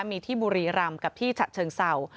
มีที่บุรีรำกับที่ฉะเชิงเศร้า